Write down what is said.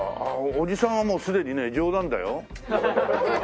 おじさんはもうすでにね上段だよ。